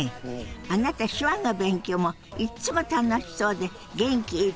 あなた手話の勉強もいっつも楽しそうで元気いっぱいですもんね！